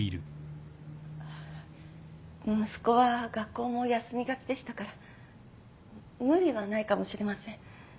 息子は学校も休みがちでしたから無理はないかもしれません。